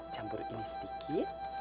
campur ini sedikit